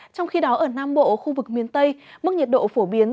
trong khi đó ở nam bộ khu vực miền tây mức nhiệt độ phổ biến